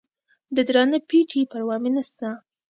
د درانه پېټي پروا مې نسته